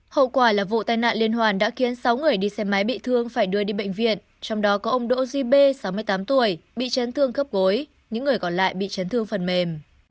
hậu quả là vụ tai nạn liên hoàn đã khiến sáu người đi xe máy bị thương phải đưa đi bệnh viện trong đó có ông đỗ duy b sáu mươi tám tuổi bị chấn thương khớp gối những người còn lại bị chấn thương phần mềm